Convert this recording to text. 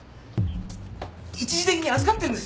一時的に預かってるんですよ。